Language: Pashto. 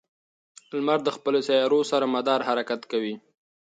لمر د خپلو سیارو سره مدار حرکت کوي.